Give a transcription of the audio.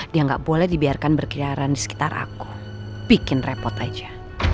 dia nggak boleh dibiarkan berkeliaran di sekitar aku bikin repot aja